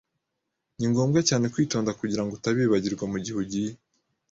Ni ngombwa cyane kwitonda kugirango utabibagirwa mugihe ugiye.